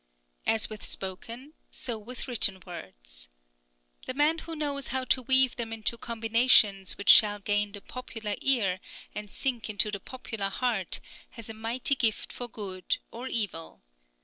As with spoken, so with written words. The man who knows how to weave them into combinations which shall gain the popular ear, and sink into the popular heart, has a mighty gift for good or evil.